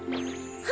は